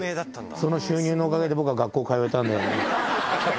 その収入のおかげで僕は学校通えたんだよね。